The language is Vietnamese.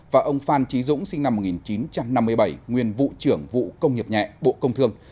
và ông phan trí dũng sinh năm một nghìn chín trăm năm mươi bảy nguyên vụ trưởng vụ công nghiệp nhẹ bộ công thương